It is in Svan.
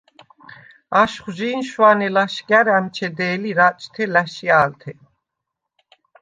აშხვჟი̄ნ შვანე ლაშგა̈რ ა̈მჩედე̄ლი რაჭთე ლა̈შია̄ლთე.